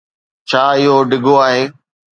ڇا اھو ڊگھو آھي؟